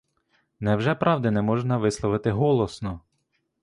Невже правди не можна висловити голосно?